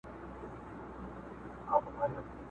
ما لیدل د پښتنو بېړۍ ډوبیږي٫